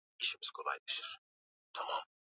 kama mshuhuda mkuu juu ya maisha na mafundisho ya Yesu